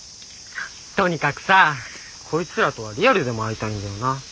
とにかくさこいつらとはリアルでも会いたいんだよな。